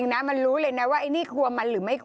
น่ารักมาก